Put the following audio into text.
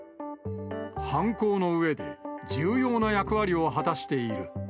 犯行のうえで重要な役割を果たしている。